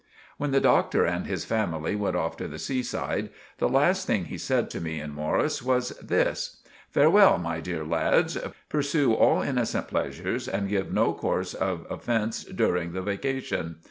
When the Doctor and his family went off to the seaside, the last thing he said to me and Morris was this— "Farewell, my dear lads. Persue all innocent pleasures and give no corse of offence during the vocation.